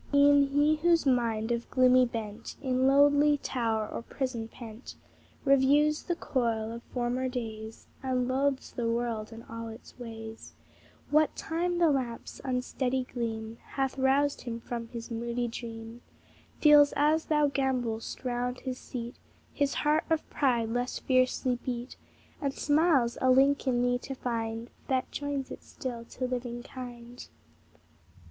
E'en he whose mind, of gloomy bent, In lonely tower or prison pent, Reviews the coil of former days, And loathes the world and all its ways, What time the lamp's unsteady gleam Hath roused him from his moody dream, Feels, as thou gambol'st round his seat, His heart of pride less fiercely beat, And smiles, a link in thee to find That joins it still to living kind.